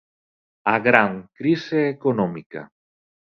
A gran crise económica.